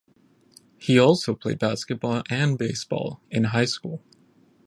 He also played basketball and baseball in high school.